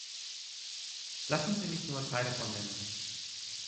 Lassen Sie mich nur drei davon nennen.